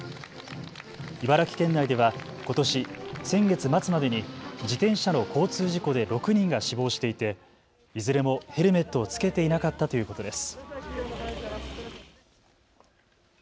茨城県内ではことし先月末までに自転車の交通事故で６人が死亡していていずれもヘルメットを着けていなかったということです。